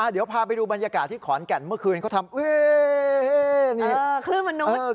เดี๋ยวพาไปดูบรรยากาศที่ขอนแก่นเมื่อคืนเขาทำเฮ้ย